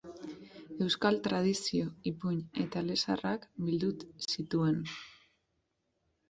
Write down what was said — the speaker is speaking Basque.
Euskal tradizio, ipuin eta elezaharrak bildu zituen.